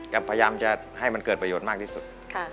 พยายามจะให้มันเกิดประโยชน์มากที่สุด